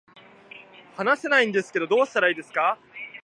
話せないんですけど、どうしたらいいですか